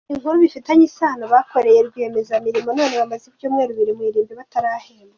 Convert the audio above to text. Inkuru bifitanye isano: Bakoreye rwiyemezamirimo none bamaze ibyumweru bibiri mu irimbi batarahembwa.